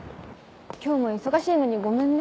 今日も忙しいのにごめんね。